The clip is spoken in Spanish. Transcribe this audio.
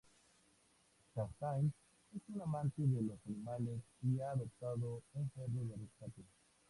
Chastain es un amante de los animales y ha adoptado un perro de rescate.